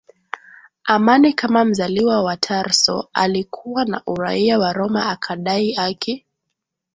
amani Kama mzaliwa wa Tarso alikuwa na uraia wa Roma akadai haki